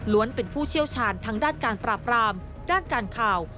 เป็นผู้เชี่ยวชาญทางด้านการปราบรามด้านการข่าว